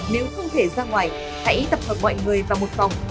nếu không thể ra ngoài hãy tập hợp mọi người vào một phòng